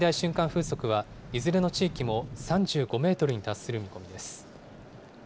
風速はいずれの地域も３５メートルに達する見込みです。